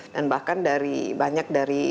dan bahkan dari